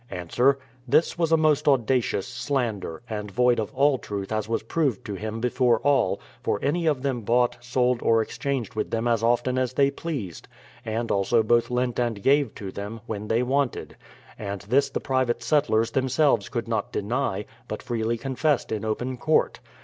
Ans : This was a most audacious slander, and void of all truth as was proved to him before all, for any of them bought, sold or THE PLY]VIOUTH SETTLEMENT 151 exchanged with them as often as they pleased — and also both lent and gave to them, when they wanted; and this the private settlers themselves could not deny, but freely confessed in open court.